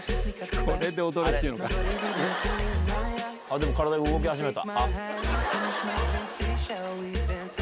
でも体が動き始めた。